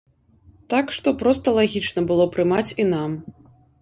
Так што, проста лагічна было прымаць і нам.